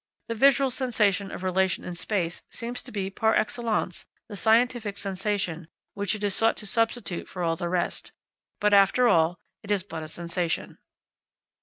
The visual sensation of relation in space seems to be par excellence the scientific sensation which it is sought to substitute for all the rest. But, after all, it is but a sensation.